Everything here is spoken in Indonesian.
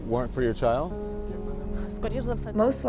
bahwa dia tidak akan dipecat